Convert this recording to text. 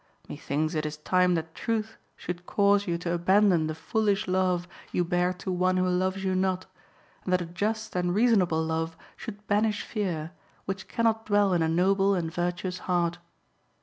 (6) Methinks it is time that truth should cause you to abandon the foolish love you bear to one who loves you not, and that a just and reasonable love should banish fear, which cannot dwell in a noble and virtuous heart.